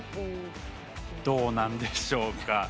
どうなんでしょうか。